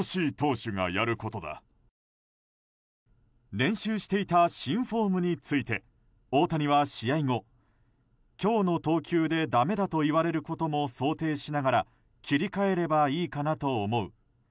練習していた新フォームについて大谷は試合後、今日の投球でだめだと言われることも想定しながら切り替えればいいかなと思う。